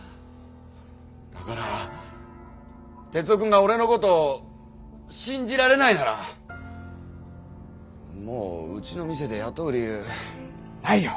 だから徹生君が俺のこと信じられないならもううちの店で雇う理由ないよ。